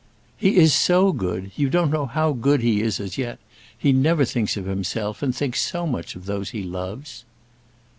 "He is so good. You don't know how good he is as yet; he never thinks of himself, and thinks so much of those he loves."